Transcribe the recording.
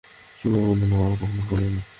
তুমি আমার বন্ধু নও, আর কক্ষনো হবেও না।